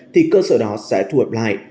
thì cơ sở đó sẽ thu hợp lại